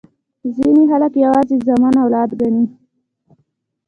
ځیني خلګ یوازي زامن اولاد ګڼي.